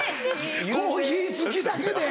コーヒー好きだけで？